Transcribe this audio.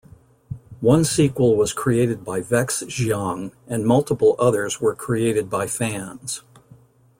One sequel was created by Vex Xiang, and multiple others were created by fans.